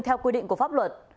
theo quy định của pháp luật